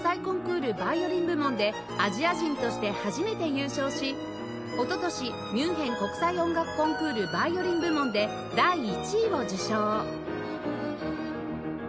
ヴァイオリン部門でアジア人として初めて優勝し一昨年ミュンヘン国際音楽コンクールヴァイオリン部門で第１位を受賞